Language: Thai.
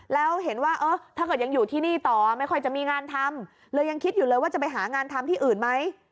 แล้วเห็นว่าเออถ้าเกิดยังอยู่ที่นี่ต่อไม่ค่อยจะมีงานทำเลยยังคิดอยู่เลยว่าจะไปหางานทำที่อื่นไหม